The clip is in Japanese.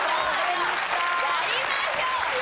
やりましょうよ。